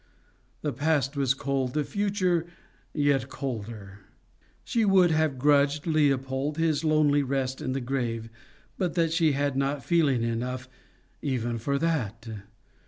The past was cold, the future yet colder. She would have grudged Leopold his lonely rest in the grave, but that she had not feeling enough even for that.